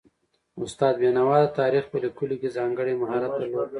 استاد بینوا د تاریخ په لیکلو کې ځانګړی مهارت درلود